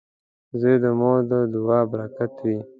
• زوی د مور د دعا برکت وي.